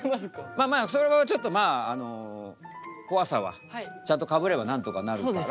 まあまあそれはちょっとまあ怖さはちゃんとかぶればなんとかなるから。